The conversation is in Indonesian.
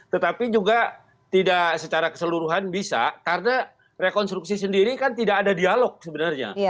tetapi juga tidak secara keseluruhan bisa karena rekonstruksi sendiri kan tidak ada dialog sebenarnya